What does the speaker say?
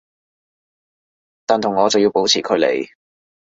但同我就要保持距離